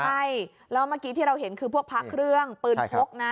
ใช่แล้วเมื่อกี้ที่เราเห็นคือพวกพระเครื่องปืนพกนะ